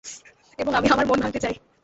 এবং আমি আমার মন ভাঙতে চাই।